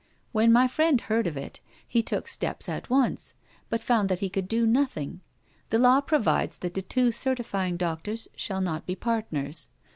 When my friend heard of it, he took steps at once, but found that he could do nothing. The law provides that the two certifying doctors shall not be partners.